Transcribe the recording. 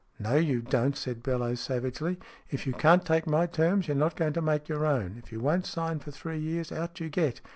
" No, you don't," said Bellowes, savagely "If you can't take my terms, you're not going to make your own. If you won't sign for three years, out you get!